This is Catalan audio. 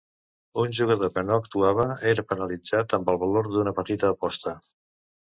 Un jugador que no actuava era penalitzat amb el valor d'una petita aposta.